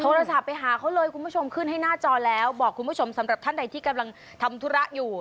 โทรศัพท์ไปหาเขาเลยคุณผู้ชมขึ้นให้หน้าจอแล้วบอกคุณผู้ชมสำหรับท่านใดที่กำลังทำธุระอยู่